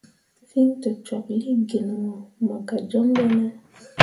Fîi tokcwaklii gin wo mo gah joŋ ɗene ?